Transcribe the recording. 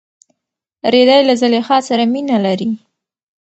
رېدی له زلیخا سره مینه لري.